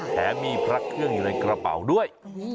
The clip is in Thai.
แถมมีพระเครื่องอยู่ในกระเป๋าด้วย